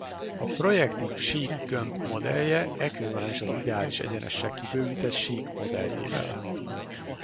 A projektív sík gömb modellje ekvivalens az ideális egyenessel kibővített sík modelljével.